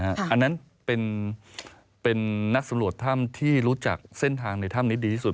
อันนั้นเป็นนักสำรวจถ้ำที่รู้จักเส้นทางในถ้ำนี้ดีที่สุด